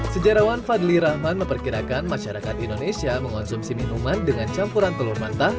sejarawan fadli rahman memperkirakan masyarakat indonesia mengonsumsi minuman dengan campuran telur mentah